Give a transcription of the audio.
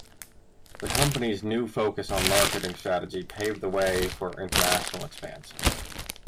The company's new focus on marketing strategy paved the way for international expansion.